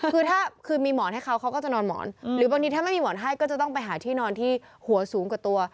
คือถ้าคือมีหมอนให้เขาเขาก็จะนอนหมอนหรือบางทีถ้าไม่มีหมอนให้ก็จะต้องไปหาที่นอนที่หัวสูงกว่าตัว